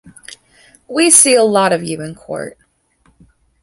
We see a lot of you in court.